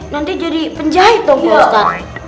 nanti jadi penjahit dong buatan